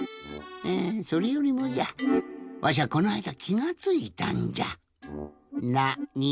えそれよりもじゃわしゃこないだきがついたんじゃ。